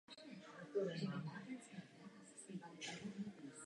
V následujícím období se charakter divadla postupně měnil.